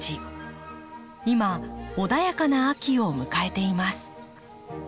今穏やかな秋を迎えています。